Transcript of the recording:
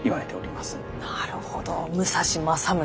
なるほど武蔵正宗。